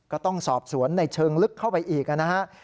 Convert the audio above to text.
ก็ต้องสอบสวนในเชิงลึกเข้าไปอีกนะฮะ